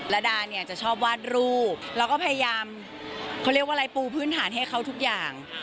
ระดาเนี่ยจะชอบวาดรูปแล้วก็พยายามเขาเรียกว่าอะไรปูพื้นฐานให้เขาทุกอย่าง